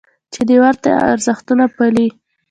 چې دې ته ورته ارزښتونه پالي.